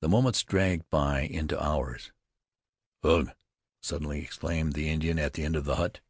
The moments dragged by into hours. "Ugh!" suddenly exclaimed the Indian at the end of the hut.